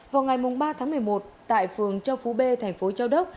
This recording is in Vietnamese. vào ngày ba tháng một mươi một tại phường châu phú b tp châu đốc